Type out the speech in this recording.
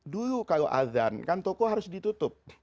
dulu kalau azan kan toko harus ditutup